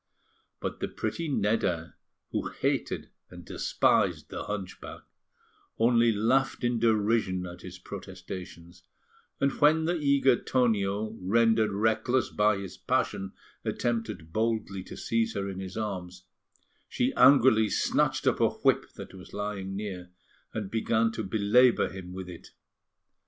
But the pretty Nedda, who hated and despised the hunchback, only laughed in derision at his protestations; and when the eager Tonio, rendered reckless by his passion, attempted boldly to seize her in his arms, she angrily snatched up a whip that was lying near, and began to belabour him with it.